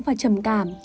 và trầm cảm